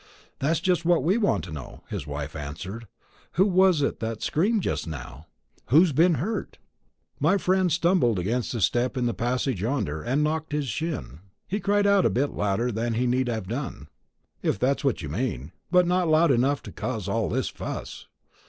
"That's just what we want to know," his wife answered. "Who was it that screamed just now? Who's been hurt?" "My friend stumbled against a step in the passage yonder, and knocked his shin. He cried out a bit louder than he need have done, if that's what you mean, but not loud enough to cause all this fuss.